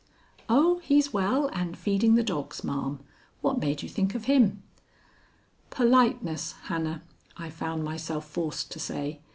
"Oh, he's well and feeding the dogs, ma'am. What made you think of him?" "Politeness, Hannah," I found myself forced to say.